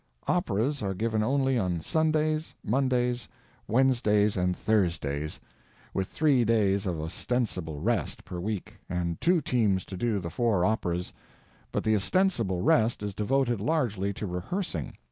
Operas are given only on Sundays, Mondays, Wednesdays, and Thursdays, with three days of ostensible rest per week, and two teams to do the four operas; but the ostensible rest is devoted largely to rehearsing.